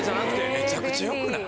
めちゃくちゃ良くない？